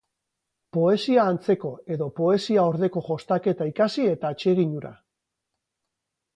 Poesia antzeko edo poesia ordeko jostaketa ikasi eta atsegin hura.